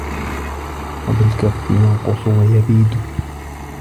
وَبِالْكَفِّ يَنْقُصُ وَيَبِيدُ